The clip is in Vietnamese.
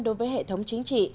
đối với hệ thống chính trị